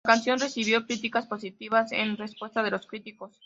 La canción recibió críticas positivas en respuesta de los críticos.